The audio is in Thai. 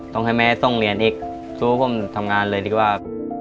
ต้องให้แม่ต้องเรียนอีกสู้ผมทำงานเลยดีกว่า